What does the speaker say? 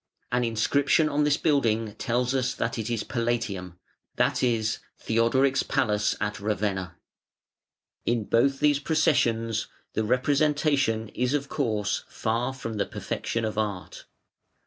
An inscription on this building tells us that it is PALATIUM, that is Theodoric's palace at Ravenna. In both these processions the representation is, of course, far from the perfection of Art.